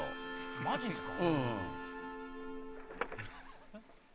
マジっすか？